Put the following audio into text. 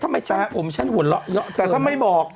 ทำไมฉันผมฉันหัวเราะเยอะเกิน